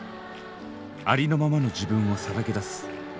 ありのままの自分をさらけ出す。